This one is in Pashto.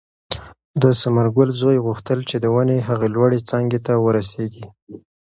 د ثمرګل زوی غوښتل چې د ونې هغې لوړې څانګې ته ورسېږي.